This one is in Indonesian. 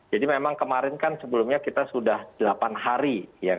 jadi memang kemarin kan sebelumnya kita sudah delapan hari